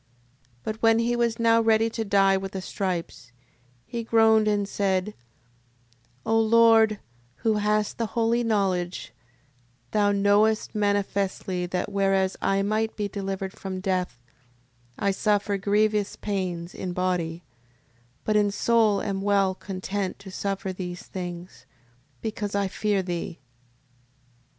6:30. But when he was now ready to die with the stripes, he groaned: and said: O Lord, who hast the holy knowledge, thou knowest manifestly that whereas I might be delivered from death, I suffer grievous pains in body: but in soul am well content to suffer these things, because I fear thee.